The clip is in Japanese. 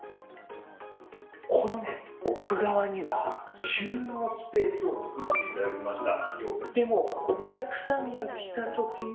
この奥側には収納スペースを作っていただきました。